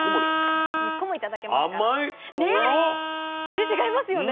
味違いますよね。